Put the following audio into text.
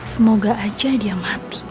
semoga aja dia mati